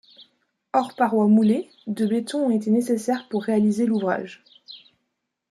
Hors paroi moulée, de béton ont été nécessaires pour réaliser l'ouvrage.